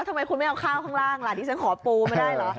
ทำไมคุณไม่เอาข้าวข้างล่างล่ะดิฉันขอปูมาได้เหรอ